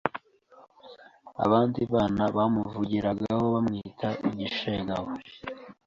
abandi bana bamuvugiragaho bamwita igishegabo